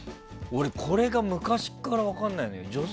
これが昔から分からないのよ。